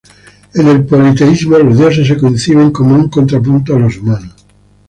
En el politeísmo los dioses se conciben como un contrapunto a los humanos.